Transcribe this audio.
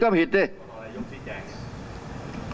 ก็คุณไม่เคยเขียนให้ผมนี่นะ